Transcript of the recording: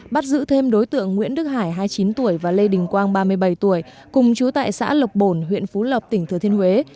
bắt giữ thêm đối tượng nguyễn đức hải hai mươi chín tuổi và lê đình quang ba mươi bảy tuổi cùng chú tại xã lộc bồn huyện phú lộc tỉnh thừa thiên huế